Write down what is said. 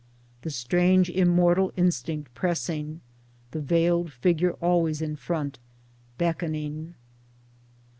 The strange immortal instinct pressing — the veiled figure always in front, beckoning.